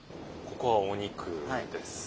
ここはお肉ですね。